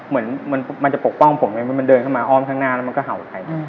เหมือนมันจะปกป้องผมไงมันเดินเข้ามาอ้อมข้างหน้าแล้วมันก็เห่าใคร